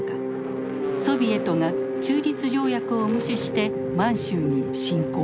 ソビエトが中立条約を無視して満州に侵攻。